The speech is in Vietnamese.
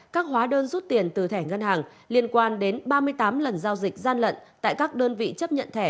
các hóa đơn rút tiền từ thẻ ngân hàng liên quan đến ba mươi tám lần giao dịch gian lận tại các đơn vị chấp nhận thẻ